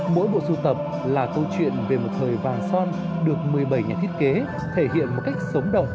mỗi bộ sưu tập là câu chuyện về một thời vàng son được một mươi bảy nhà thiết kế thể hiện một cách sống động